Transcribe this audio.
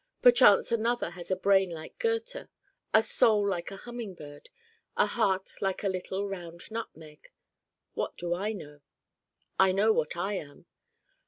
Perchance Another has a brain like Goethe, a Soul like a humming bird, a Heart like a little round nutmeg. What do I know? I know what I am.